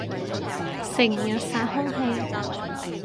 成日殺空氣